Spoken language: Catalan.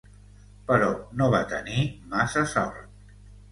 Però no va tenir massa sort.